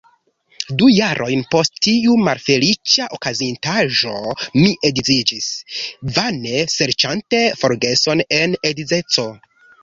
Du jarojn post tiu malfeliĉa okazintaĵo mi edziĝis, vane serĉante forgeson en edzeco.